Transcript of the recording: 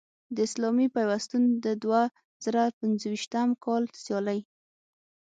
د اسلامي پیوستون د دوه زره پنځویشتم کال سیالۍ